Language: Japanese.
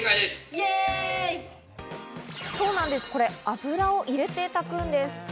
油を入れて炊くんです。